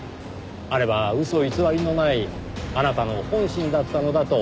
あれは嘘偽りのないあなたの本心だったのだと思います。